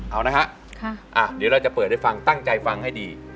เอานะฮะเดี๋ยวเราจะเปิดให้ฟังตั้งใจฟังให้ดี